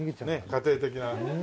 家庭的な。